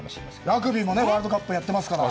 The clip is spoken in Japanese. ラグビーもワールドカップをやってますから。